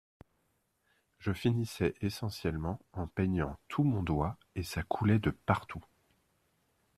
Je finissait essentiellement en peignant tout mon doigt et ça coulait de partout.